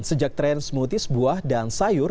sejak tren smoothies buah dan sayur